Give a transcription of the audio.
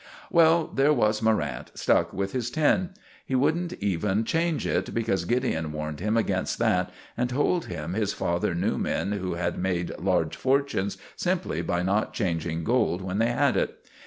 Well, there was Morrant stuck with his tin. He wouldn't even change it, because Gideon warned him against that, and told him his father knew men who had made large fortunes simply by not changing gold when they had it.